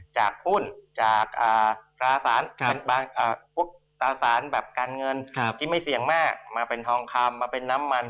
จากหุ้นจากตราสารพวกตราสารแบบการเงินที่ไม่เสี่ยงมากมาเป็นทองคำมาเป็นน้ำมัน